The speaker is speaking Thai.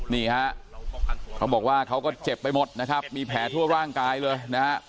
นี่ฮะเขาบอกว่าเขาก็เจ็บไปหมดนะครับมีแผลทั่วร่างกายเลยนะฮะ